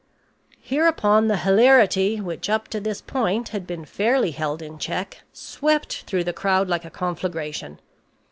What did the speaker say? Hereupon the hilarity, which up to this point had been fairly held in check, swept through the crowd like a conflagration.